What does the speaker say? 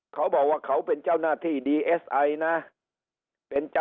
เขาบอกว่าเขาเป็นเจ้าหน้าที่ดีเอสไอนะ